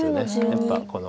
やっぱりこの。